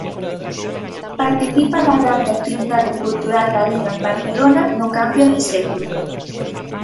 Participa da grande actividade cultural galega en Barcelona no cambio de século.